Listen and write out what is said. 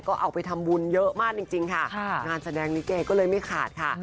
ก็เอาไปทำบุญเยอะมากจริงค่ะงานแสดงลิเกก็เลยไม่ขาดค่ะ